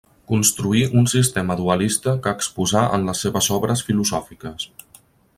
Construí un sistema dualista que exposà en les seves obres filosòfiques.